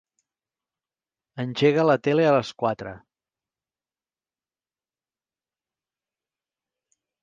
Engega la tele a les quatre.